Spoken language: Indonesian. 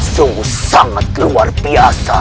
sungguh sangat luar biasa